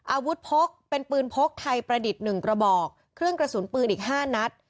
อาวุธพกเป็นปืนพกไทยประดิษฐ์๑กระบอกเครื่องกระสุนปืนอีก๕นัด